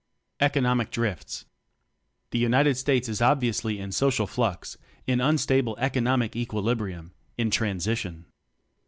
Economic Drifts. The United States is obviously in social flux, in unstable economic equili brium in transition.